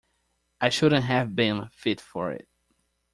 I shouldn't have been fit for it.